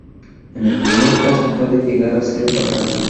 En el primer caso puede llegar a ser fatal.